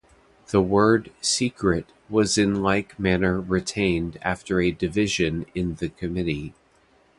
The word "secret" was in like manner retained after a division in the committee.